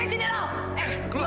lo jahat ulam